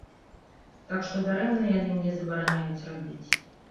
Так што дарэмна яны мне забараняюць рабіць.